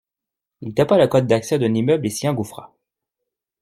Il tapa le code d’accès d’un immeuble et s’y engouffra.